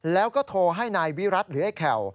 แล้วก็โทรให้นายวิรัติหรือไอ้แข่ว